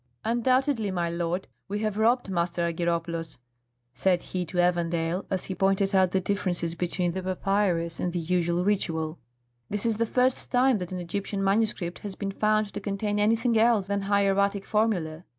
"Undoubtedly, my lord, we have robbed Master Argyropoulos," said he to Evandale, as he pointed out the differences between the papyrus and the usual ritual. "This is the first time that an Egyptian manuscript has been found to contain anything else than hieratic formulæ.